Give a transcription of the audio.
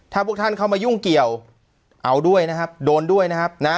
ถ้าพวกท่านเข้ามายุ่งเกี่ยวเอาด้วยนะครับโดนด้วยนะครับนะ